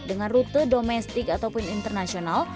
dengan rute domestik ataupun internasional